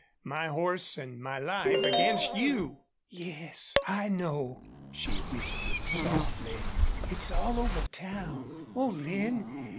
My horse an' my life against YOU!" "Yes, I know," she whispered, softly. "It's all over town.... Oh, Lin!